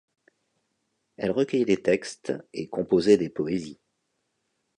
Elle recueillait des textes et composait des poésies.